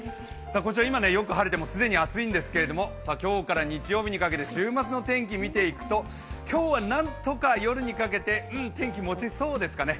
今、よく晴れて既に暑いんですけど今日から日曜日にかけて週末の天気を見ていくと、今日は何とか夜にかけて天気もちそうですかね。